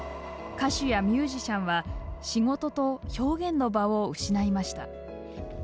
歌手やミュージシャンは仕事と表現の場を失いました。